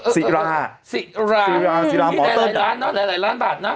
สิราสิราสิราหมอยต้นหลายหลายล้านหลายหลายล้านบาทเนอะ